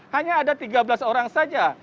hanya ada tiga belas orang saja